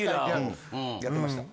やってました。